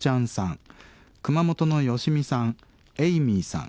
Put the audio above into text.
熊本のヨシミさんエイミーさん